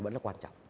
vẫn là quan trọng